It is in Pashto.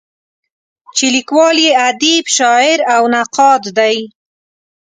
چې لیکوال یې ادیب، شاعر او نقاد دی.